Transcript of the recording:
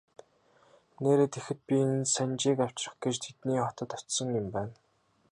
Нээрээ тэгэхэд би энэ Санжийг авчрах гэж тэдний хотод очсон юм байна.